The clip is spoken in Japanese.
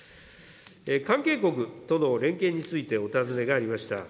関係国との連携についてお尋ねがありました。